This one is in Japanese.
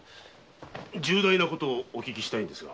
重大なことをお聞きしたいのですが。